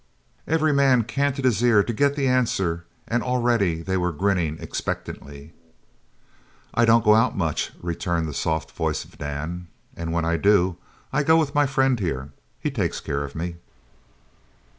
Every man canted his ear to get the answer and already they were grinning expectantly. "I don't go out much," returned the soft voice of Dan, "an' when I do, I go with my friend, here. He takes care of me."